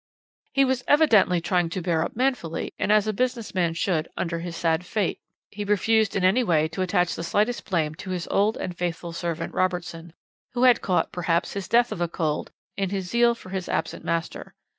"He was evidently trying to bear up manfully, and as a business man should, under his sad fate. He refused in any way to attach the slightest blame to his old and faithful servant Robertson, who had caught, perhaps, his death of cold in his zeal for his absent master.